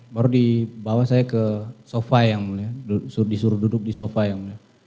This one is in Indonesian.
baru dibawa saya ke sofa yang mulia disuruh duduk di sofa yang mulia